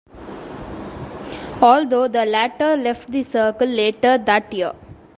Although the latter left the circle later that year.